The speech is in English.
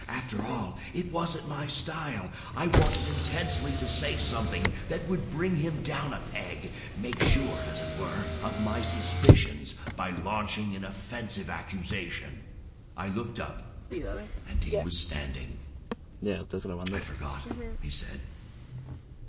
After all, it wasn't my style. I wanted intensely to say something that would bring him down a peg, make sure, as it were, of my suspicions by launching an offensive accusation. I looked up and he was standing. "I forgot," he said.